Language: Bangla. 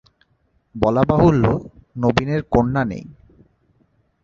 বলা বাহুল্য, নবীনের কন্যা নেই।